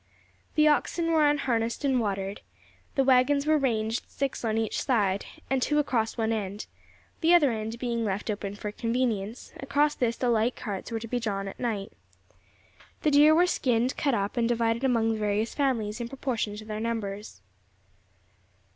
The oxen were unharnessed and watered, the waggons were ranged six on each side, and two across one end, the other end being left open for convenience; across this the light carts were to be drawn at night. The deer were skinned, cut up, and divided among the various families in proportion to their numbers.